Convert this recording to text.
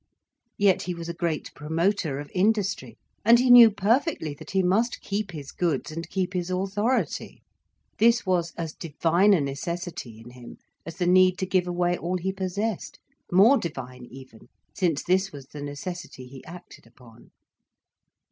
Yet he was a great promoter of industry, and he knew perfectly that he must keep his goods and keep his authority. This was as divine a necessity in him, as the need to give away all he possessed—more divine, even, since this was the necessity he acted upon.